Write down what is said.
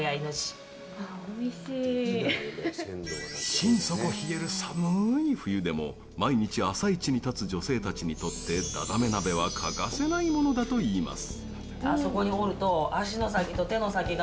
心底冷える寒い冬でも、毎日朝市に立つ女性たちにとってダダメ鍋は欠かせないものだと言います。